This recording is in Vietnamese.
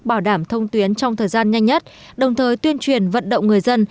bảo đảm thông tuyến trong thời gian nhanh nhất đồng thời tuyên truyền vận động người dân